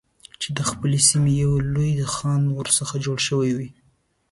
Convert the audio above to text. چې د خپلې سیمې یو لوی خان ورڅخه جوړ شوی وي.